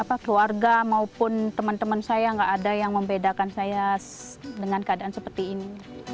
apa keluarga maupun teman teman saya nggak ada yang membedakan saya dengan keadaan seperti ini